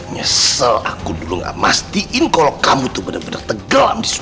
nyesel aku dulu gak mastiin kalau kamu tuh bener bener tegelam